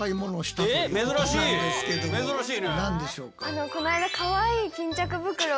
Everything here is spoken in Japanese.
何でしょうか？